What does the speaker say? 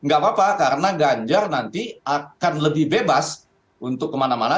gak apa apa karena ganjar nanti akan lebih bebas untuk kemana mana